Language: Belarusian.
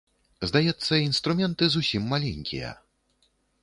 Здаецца, інструменты зусім маленькія.